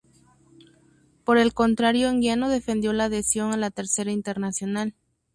Por el contrario Anguiano defendió la adhesión a la Tercera Internacional.